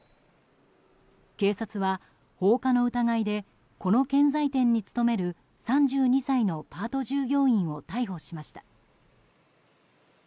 警察は、放火の疑いでこの建材店に勤める３２歳のパート従業員を逮捕しました。